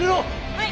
・はい！